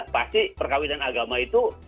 pasti perkahwinan agama itu